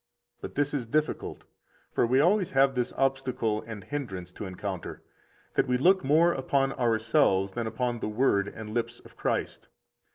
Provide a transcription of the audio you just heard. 63 But this is difficult; for we always have this obstacle and hindrance to encounter, that we look more upon ourselves than upon the Word and lips of Christ.